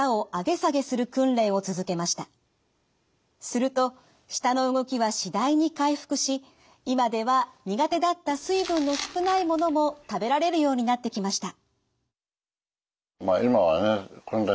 すると舌の動きは次第に回復し今では苦手だった水分の少ないものも食べられるようになってきました。